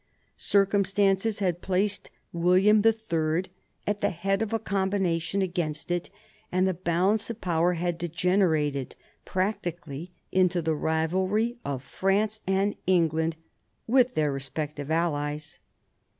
Circumstances had placed William IIL at the head of a combination against it, and the balance of power had degenerated practically into the rivalry of France and England, with their respective allies.